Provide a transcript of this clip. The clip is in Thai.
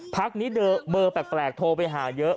พักนี้เบอร์แปลกโทรไปหาเยอะ